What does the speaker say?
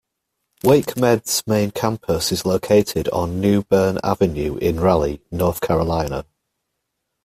WakeMed's main campus is located on New Bern Avenue in Raleigh, North Carolina.